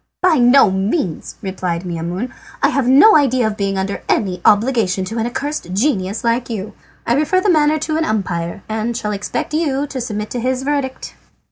"By no means," replied Maimoune. "I have no idea of being under any obligation to an accursed genius like you. I refer the matter to an umpire, and shall expect you to submit to his verdict."